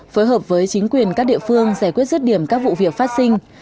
phối hợp với chính quyền các địa phương giải quyết rứt điểm các vụ việc phát sinh